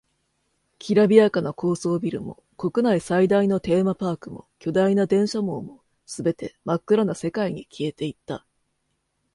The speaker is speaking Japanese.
きらびやかな高層ビルも、国内最大のテーマパークも、巨大な電車網も、全て真っ暗な世界に消えていった。